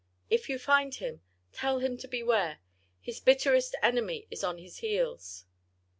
If you find him, tell him to beware!—his bitterest enemy is on his heels!"